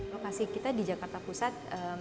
lokasi kita di jakarta pusat